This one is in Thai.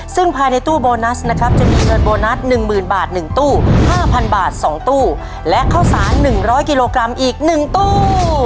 ซึ่งภายในตู้โบนัสนะครับจะมีเงินโบนัส๑๐๐๐บาท๑ตู้๕๐๐บาท๒ตู้และข้าวสาร๑๐๐กิโลกรัมอีก๑ตู้